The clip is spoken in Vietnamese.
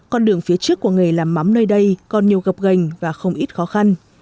con đường phía trước của nghề làm mắm nơi đây còn nhiều gặp gành và không ít khó khăn